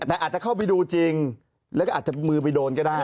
แต่อาจจะเข้าไปดูจริงแล้วก็อาจจะมือไปโดนก็ได้